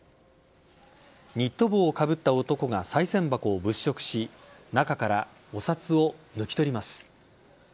ニット帽をかぶった男がさい銭箱を物色し中からお札を抜き取ります。